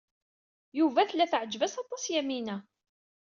Yuba tella teɛjeb-as aṭas Yamina.